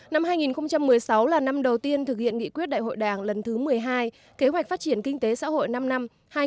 năm hai nghìn một mươi sáu là năm đầu tiên thực hiện nghị quyết đại hội đảng lần thứ một mươi hai kế hoạch phát triển kinh tế xã hội năm năm hai nghìn hai mươi một hai nghìn hai mươi